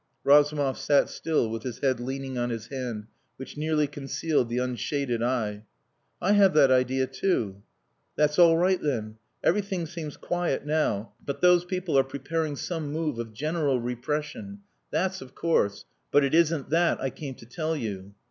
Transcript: Razumov sat still with his head leaning on his hand, which nearly concealed the unshaded eye. "I have that idea, too." "That's all right, then. Everything seems quiet now, but those people are preparing some move of general repression. That's of course. But it isn't that I came to tell you."